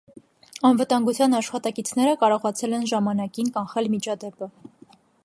Անվտանգության աշխատակիցները կարողացել են ժամանակին կանխել միջադեպը։